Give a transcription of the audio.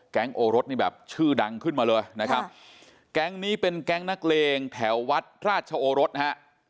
โอรสนี่แบบชื่อดังขึ้นมาเลยนะครับแก๊งนี้เป็นแก๊งนักเลงแถววัดราชโอรสฮะ